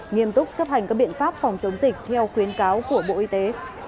nghiêm túc chấp hành các biện pháp phòng chống dịch theo khuyến cáo của bộ y tế